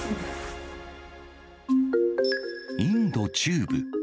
インド中部。